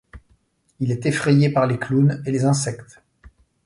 Il est effrayé par les clowns et les insectes.